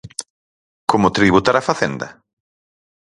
Como tributar a facenda?